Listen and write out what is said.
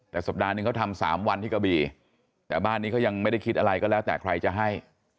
แต่สัปดาห์หนึ่งเขาทำ๓วันที่กะบี่แต่บ้านนี้เขายังไม่ได้คิดอะไรก็แล้วแต่ใครจะให้